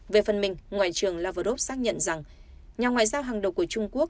về phần mình ngoại trưởng lavrov xác nhận rằng nhà ngoại giao hàng đầu của trung quốc